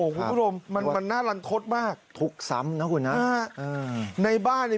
คุณผู้ชมมันมันน่ารันทดมากทุกข์ซ้ำนะคุณนะในบ้านเนี่ย